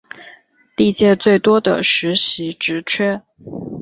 历届最多的实习职缺